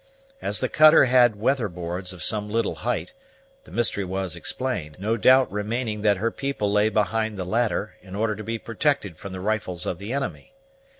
As the cutter had weatherboards of some little height, the mystery was explained, no doubt remaining that her people lay behind the latter, in order to be protected from the rifles of the enemy.